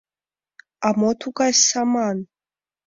— А мо тугай «саман»?